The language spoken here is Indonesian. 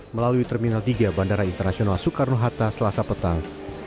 melalui terminal tiga bandara internasional soekarno hatta selasa petang